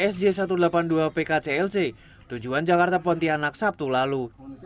sj satu ratus delapan puluh dua pkclc tujuan jakarta pontianak sabtu lalu